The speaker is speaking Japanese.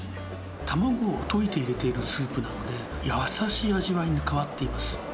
卵を溶いて入れているスープなので、優しい味わいに変わっています。